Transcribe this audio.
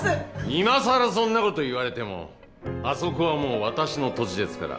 今更そんなこと言われてもあそこはもう私の土地ですから。